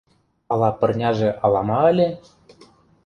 Ала пырняже алама ыле?